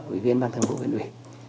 ủy viên ban thường vụ huyện ủy